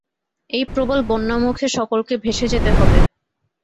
এই প্রবল বন্যামুখে সকলকে ভেসে যেতে হবে।